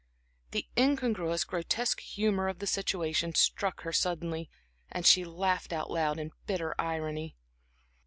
The incongruous, grotesque humor of the situation struck her suddenly, and she laughed out loud in bitter irony.